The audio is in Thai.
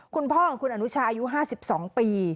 คุณพ่อของคุณอนุชาอายุ๕๒ปี